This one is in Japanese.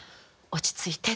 「落ち着いて」？